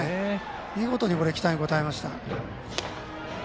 見事に期待に応えました。